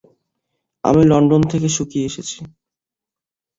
আমি লণ্ডন থেকে শুকিয়ে এনেছি।